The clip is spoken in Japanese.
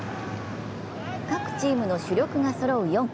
各チームの主力がそろう４区。